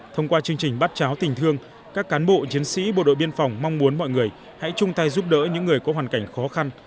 thông qua chương trình bát cháo tình thương các cán bộ chiến sĩ bộ đội biên phòng mong muốn mọi người hãy chung tay giúp đỡ những người có hoàn cảnh khó khăn